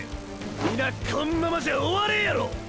皆こんままじゃ終われんやろう⁉